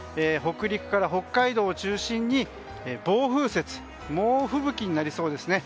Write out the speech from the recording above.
北陸から北海道を中心に暴風雪猛吹雪になりそうです。